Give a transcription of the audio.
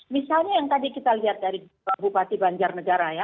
misalnya yang tadi kita lihat dari bupati banjarnegara ya